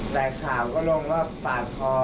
แต่ข่าวก็ลงว่าปาดคอ